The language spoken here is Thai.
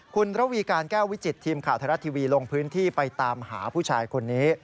คุณระวีการแก้ววิจิตทีมข่าวไทยรัฐทีวีลงพื้นที่ไปตามหาผู้ชายคนนี้